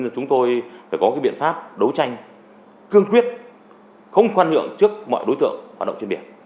chúng tôi phải có biện pháp đấu tranh cương quyết không khoan nhượng trước mọi đối tượng hoạt động trên biển